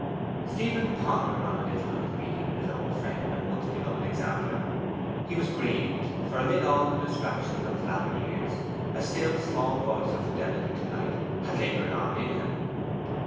Stephen pondered not a little on this meeting with his old friend and once beloved exemplar. He was grieved, for amid all the distractions of his latter years a still small voice of fidelity to Knight had lingered on in him.